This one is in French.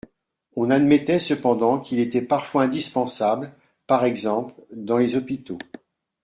On admettait cependant qu’il était parfois indispensable, par exemple dans les hôpitaux.